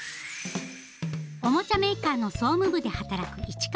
おもちゃメーカーの総務部で働く市川さん。